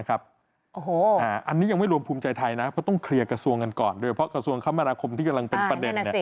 อันนี้ยังไม่รวมภูมิใจไทยนะเพราะต้องเคลียร์กระทรวงกันก่อนโดยเพราะกระทรวงคมนาคมที่กำลังเป็นประเด็น